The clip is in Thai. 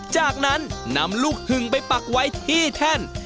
จากนั้นนำลูกหึงไปปักไว้ที่แท่น